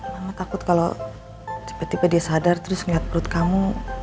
mam takut kalau tipe tipe dia sadar terus liat perut kamu